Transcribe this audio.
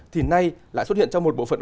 thì nay lại xuất hiện trong một bộ phận